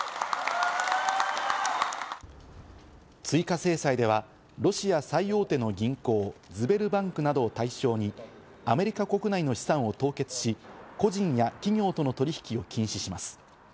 追加制裁ではロシア最大手の銀行ズベルバンクなどを対象にアメリカ国内の資産を凍結し、個人や企業との取引を禁止します。